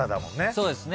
そうですね。